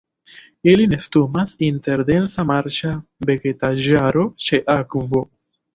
Ili nestumas inter densa marĉa vegetaĵaro ĉe akvo.